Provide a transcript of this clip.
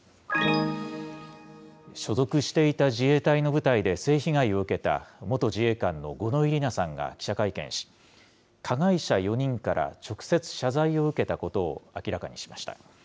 所属していた自衛隊の部隊で、性被害を受けた元自衛官の五ノ井里奈さんが記者会見し、加害者４人から直接謝罪を受けたことを明らかにしました。